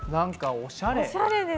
おしゃれ！